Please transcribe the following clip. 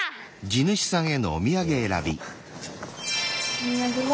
お土産は。